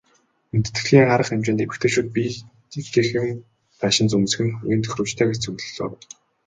Хүндэтгэлийн арга хэмжээнд эмэгтэйчүүд биед эвтэйхэн даашинз өмсөх нь хамгийн тохиромжтой гэж зөвлөлөө.